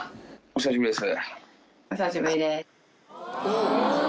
お久しぶりです。